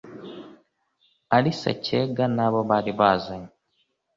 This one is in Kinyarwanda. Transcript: Ari Sacyega n'abo bari bazanye,